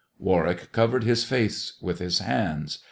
Warwick covered his face with his hands.